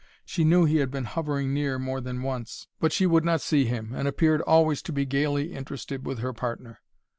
She knew he had been hovering near more than once, but she would not see him, and appeared always to be gayly interested with her partner.